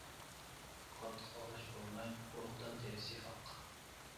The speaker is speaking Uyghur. قاتتىق ئاغرىش بولماي ئۇرۇقدان تېرىسى ئاق.